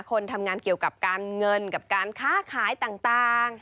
คนทำงานเกี่ยวกับการเงินกับการค้าขายต่าง